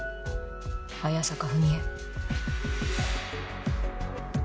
早坂文江